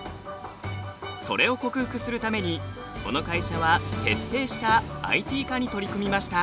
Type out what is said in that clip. それを克服するためにこの会社は徹底したＩＴ化に取り組みました。